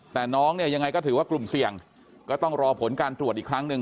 แต่น้องเนี่ยยังไงก็ถือว่ากลุ่มเสี่ยงก็ต้องรอผลการตรวจอีกครั้งหนึ่ง